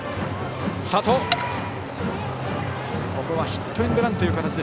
ヒットエンドランという形。